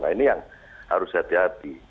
nah ini yang harus hati hati